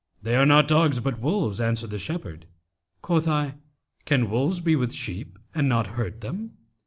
'They are not dogs, but wolves,' answered the shepherd. Quoth I, 'Can wolves be with sheep and not hurt them?'